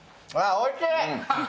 おいしい。